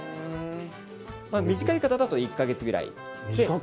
短い方だと１か月くらい。